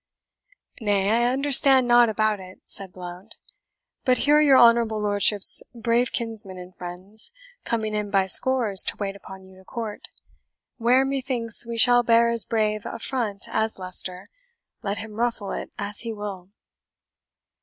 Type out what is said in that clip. "Nay, I understand nought about it," said Blount; "but here are your honourable lordship's brave kinsmen and friends coming in by scores to wait upon you to court, where, methinks, we shall bear as brave a front as Leicester, let him ruffle it as he will."